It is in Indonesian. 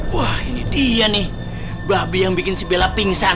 wah ini dia nih babi yang bikin sebela pingsan